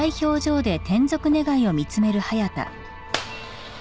あっ。